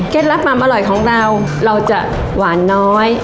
ลับความอร่อยของเราเราจะหวานน้อย